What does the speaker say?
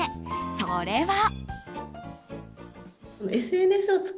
それは。